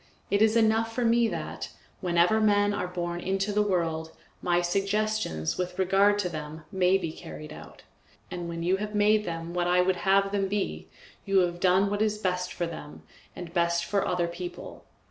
It is enough for me that, wherever men are born into the world, my suggestions with regard to them may be carried out, and when you have made them what I would have them be, you have done what is best for them and best for other people.